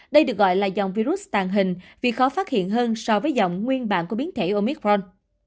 đây được gọi là dòng virus tàn hình vì khó phát hiện hơn so với dòng nguyên bản của biến thể omicron